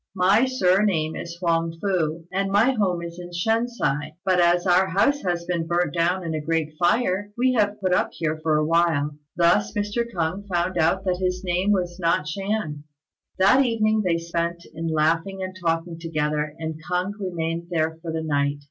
My surname is Huang fu, and my home is in Shen si; but as our house has been burnt down in a great fire, we have put up here for a while." Thus Mr. K'ung found out that his name was not Shan. That evening they spent in laughing and talking together, and K'ung remained there for the night.